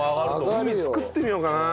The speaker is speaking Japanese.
グミ作ってみようかな。